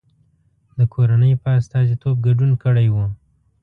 د کورنۍ په استازیتوب ګډون کړی و.